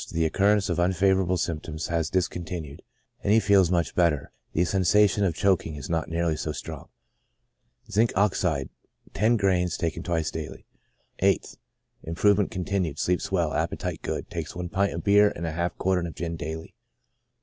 — The recurrence of unfavorable symptoms has discontinued, and he feels much better; the sensation of choking is not nearly so strong. Zinc. Ox., gr.x, bis die. 8th. — Improvement continued, sleeps well, appetite good; takes one pint of beer and half a quartern of gin, daily.